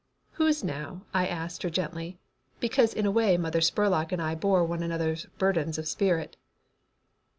"Whose now?" I asked her gently, because in a way Mother Spurlock and I bore one another's burdens of spirit.